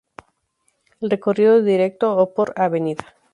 El recorrido "Directo" o por "Av.